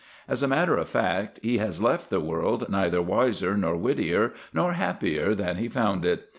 As a matter of fact, he has left the world neither wiser nor wittier nor happier than he found it.